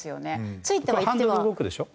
ハンドル動くでしょ？